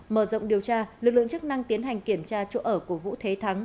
mở rộng điều tra lực lượng chức năng tiến hành kiểm tra chỗ ở của vũ thế thắng